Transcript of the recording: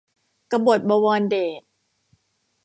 กบฏบวรเดช